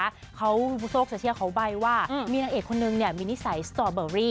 โซโลกเศรษฐีเขาใบ้ว่ามีนักเอกคนนึงเนี่ยมีนิสัยสตอร์เบอร์รี่